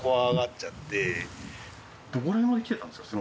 どこら辺まできてたんですか？